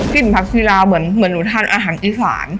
กลิ่นผักชีลาวเหมือนหนูทานอาหารอีกฝาน